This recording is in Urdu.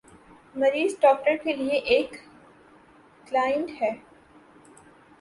مریض ڈاکٹر کے لیے ایک "کلائنٹ" ہے۔